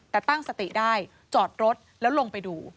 แต่ตั้งสติได้จอดรถแล้วลงไปดู